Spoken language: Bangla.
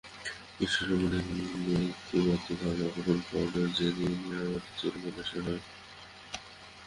ঈশ্বরসম্বন্ধে এই একটিমাত্র ধারণা পোষণ কর যে, তিনি আমাদের চিরকালের সহায়।